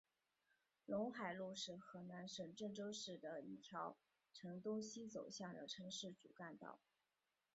陇海路是河南省郑州市一条呈东西走向的城市主干道。